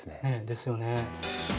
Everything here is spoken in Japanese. ですよね。